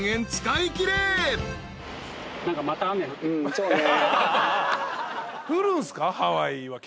そうね。